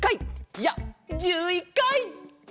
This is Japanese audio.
いや１１かい！